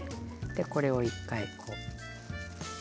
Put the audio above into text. これを１回こう。